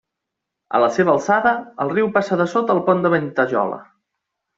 A la seva alçada, el riu passa dessota el Pont de Ventajola.